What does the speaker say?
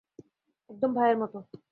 একদম ভাইয়ের মত।